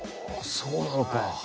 そうなのか。